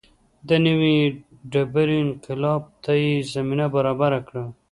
د نوې ډبرې انقلاب ته یې زمینه برابره کړه.